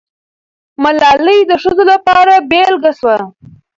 ملالۍ د ښځو لپاره بېلګه سوه.